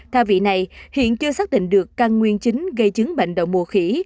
tha vị này hiện chưa xác định được căn nguyên chính gây chứng bệnh đậu mùa khỉ